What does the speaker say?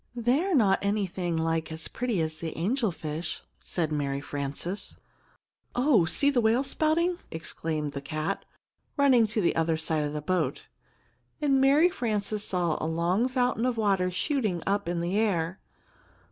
"They are not anything like as pretty as the angel fish," said Mary Frances. "Oh, see the whale spouting!" exclaimed the cat, running to the other side of the boat. And Mary Frances saw the long fountain of water shooting up in the air.